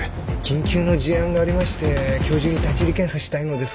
緊急の事案がありまして今日中に立入検査したいのですが。